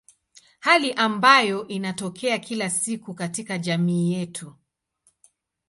Hali ambayo inatokea kila siku katika jamii yetu.